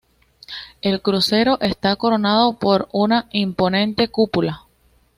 El crucero está coronado por una imponente cúpula.